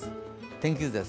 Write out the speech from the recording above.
天気図です。